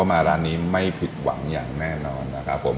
มาร้านนี้ไม่ผิดหวังอย่างแน่นอนนะครับผม